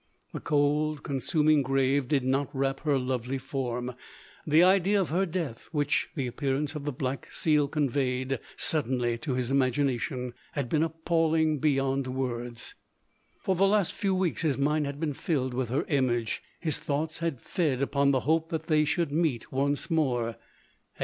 The cold consum ing grave did not wrap her lovely form. The idea of her death, which the appearance of the black seal conveyed suddenly to his imagina tion, had been appalling beyond words. For the last few weeks his mind had been filled with her image ; his thoughts had fed upon the hope that they should meet once more.